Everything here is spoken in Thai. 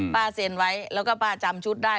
เซ็นไว้แล้วก็ป้าจำชุดได้